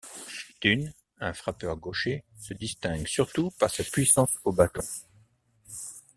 Dunn, un frappeur gaucher, se distingue surtout pour sa puissance au bâton.